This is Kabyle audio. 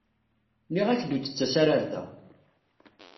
Nniɣ-ak-d ur d-ttas ara ɣer da.